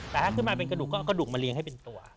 แต่ถ้าขึ้นมาเป็นกระดูกก็เอากระดูกมาเลี้ยให้เป็นตัว